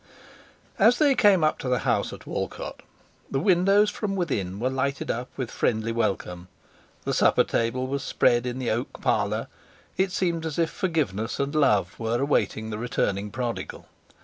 As they came up to the house at Walcote, the windows from within were lighted up with friendly welcome; the supper table was spread in the oak parlor; it seemed as if forgiveness and love were awaiting the returning prodigal.